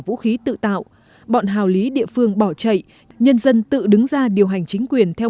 vũ khí tự tạo bọn hào lý địa phương bỏ chạy nhân dân tự đứng ra điều hành chính quyền theo